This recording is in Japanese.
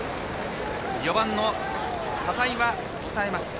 ４番の片井は抑えました。